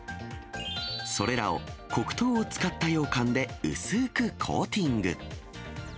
それらを黒糖を使ったようかんで薄ーくコーティング。